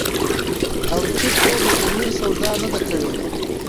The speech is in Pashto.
او چرته ئې د ضمير سودا نه ده کړې ۔”